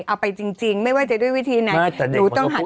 เอาไปจริงไม่ว่าจะด้วยวิธีไหน